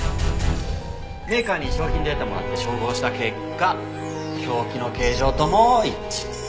メーカーに商品データをもらって照合した結果凶器の形状とも一致。